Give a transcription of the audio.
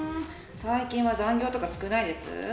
最近は残業とか少ないです？